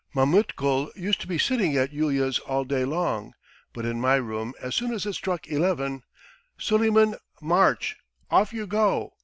Mametkul used to be sitting at Yulia's all day long, but in my room as soon as it struck eleven: 'Suleiman, march! Off you go!'